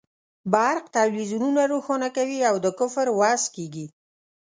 برق تلویزیونونه روښانه کوي او د کفر وعظ کېږي.